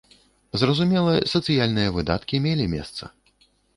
Зразумела, сацыяльныя выдаткі мелі месца.